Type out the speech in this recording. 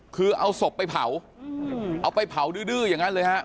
คือเอาศพไปเผาเอาไปเผาดื้ออย่างนั้นเลยฮะ